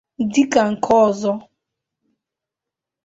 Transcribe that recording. Dịka nke ọzọ